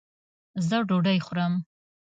ځه ډوډي خورم